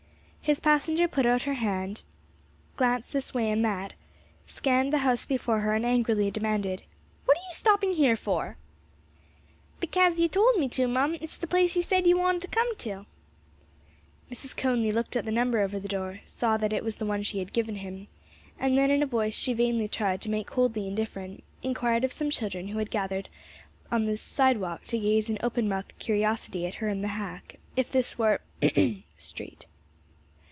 His passenger put out her head, glanced this way and that, scanned the house before her, and angrily demanded, "What are you stopping here for?" "Bekase ye tould me to, mum; it's the place ye said ye wanted to come till." Mrs. Conly looked at the number over the door, saw that it was the one she had given him, then in a voice she vainly tried to make coldly indifferent, inquired of some children who had gathered on the sidewalk to gaze in open mouthed curiosity at her and the hack, if this were street.